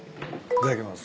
いただきます。